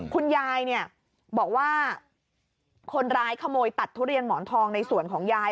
คุณยายเนี่ยบอกว่าคนร้ายขโมยตัดทุเรียนหมอนทองในสวนของยาย